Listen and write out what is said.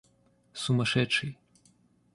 Сумасшедший.